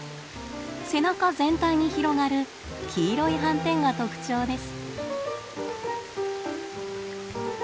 背中全体に広がる黄色い斑点が特徴です。